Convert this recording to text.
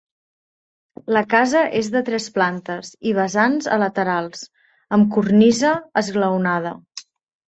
La casa és de tres plantes i vessants a laterals, amb cornisa esglaonada.